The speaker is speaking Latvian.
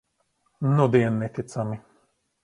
Nudien neticami.